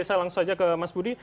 saya langsung saja ke mas budi